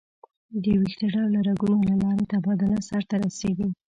د ویښته ډوله رګونو له لارې تبادله سر ته رسېږي.